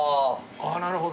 なるほど。